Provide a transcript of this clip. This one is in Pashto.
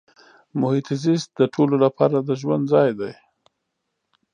محیط زیست د ټولو لپاره د ژوند ځای دی.